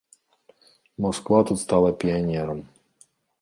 Масква тут стала піянерам.